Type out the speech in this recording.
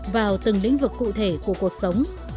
vào từng lĩnh vực cụ thể của cuộc sống